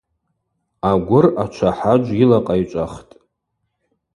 Агвыр ачвахӏаджв йылакъайчӏвахтӏ.